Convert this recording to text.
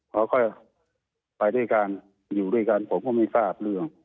ค่อยไปด้วยกันอยู่ด้วยกันผมก็ไม่ทราบเรื่อง